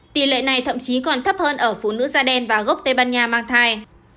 tỷ lệ này thậm chí còn thấp hơn ở phụ nữ da đen và gốc tây ban nha mang thai